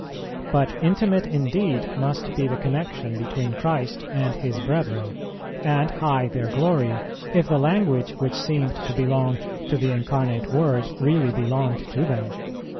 But intimate indeed must be the connexion between Christ and His brethren, and high their glory, if the language which seemed to belong to the Incarnate Word really belonged to them.